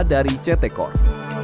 dari ct corp